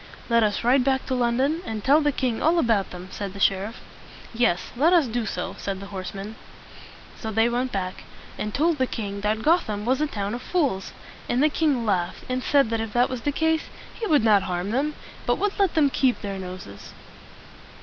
"Let us ride back to London, and tell the king all about them," said the sheriff. "Yes, let us do so," said the horsemen. So they went back, and told the king that Gotham was a town of fools; and the king laughed, and said that if that was the case, he would not harm them, but would let them keep their noses.